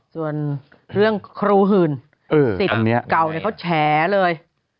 ส่วนเรื่องครูหื่นสิทธิ์เก่าเขาแฉเลย